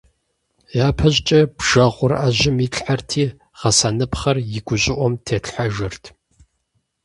ЯпэщӀыкӀэ бжэгъур Ӏэжьэм итлъхьэрти, гъэсыныпхъэр и гущӀыӀум тетлъхьэжырт.